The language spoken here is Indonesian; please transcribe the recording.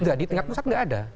enggak di tingkat pusat enggak ada